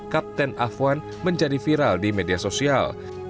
kapten afwan menjadi viral di media sosial